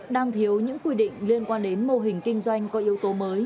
đang thiếu những quy định liên quan đến mô hình kinh doanh có yếu tố mới